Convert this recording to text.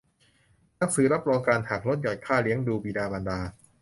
หนังสือรับรองการหักลดหย่อนค่าเลี้ยงดูบิดามารดา